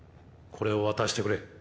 これを渡してくれ。